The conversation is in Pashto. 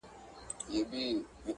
بزم دی پردی پردۍ نغمې پردۍ سندري دي-